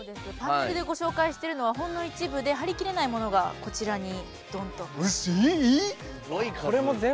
パネルでご紹介してるのはほんの一部で貼りきれないものがこちらに、どんと。